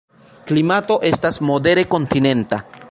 Klimato estas modere kontinenta.